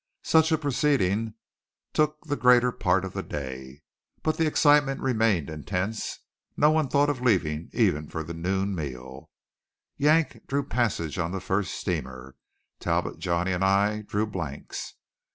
Such a proceeding took the greater part of the day; but the excitement remained intense. No one thought of leaving even for the noon meal. Yank drew passage on the first steamer. Talbot, Johnny, and I drew blanks.